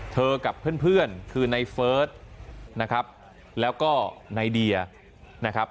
กับเพื่อนคือในเฟิร์สนะครับแล้วก็ในเดียนะครับ